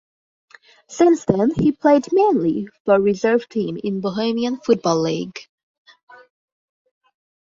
Since then he played mainly for reserve team in Bohemian Football League.